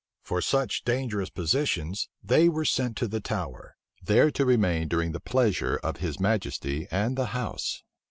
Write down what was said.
For such dangerous positions they were sent to the Tower, there to remain during the pleasure of his majesty and the house.